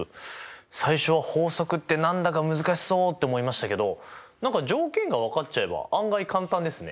最初は法則って何だか難しそうって思いましたけど何か条件が分かっちゃえば案外簡単ですね。